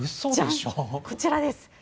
こちらです。